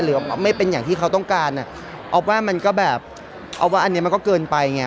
หรือไม่เป็นอย่างที่เขาต้องการอ่ะออฟว่ามันก็แบบออฟว่าอันนี้มันก็เกินไปไง